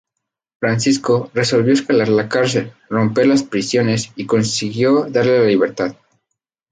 Francisco, resolvió escalar la cárcel, romper las prisiones y consiguió darle la libertad.